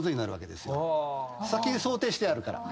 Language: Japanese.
先に想定してあるから。